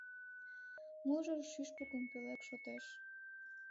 Мужыр шÿшпыкым пöлек шотеш